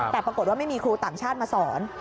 แต่ปรากฏว่าไม่มีครูต่างชาติมาสอน